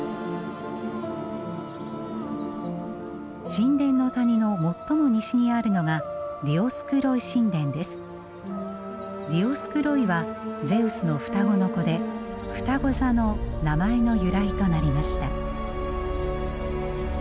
神殿の谷の最も西にあるのがディオスクロイはゼウスの双子の子でふたご座の名前の由来となりました。